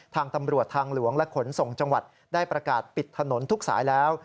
ทางตำรวจทางหลวงและขนส่งจังหวัดได้ประกาศปิดถนนทุกสายแล้ว